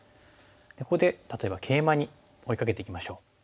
ここで例えばケイマに追いかけていきましょう。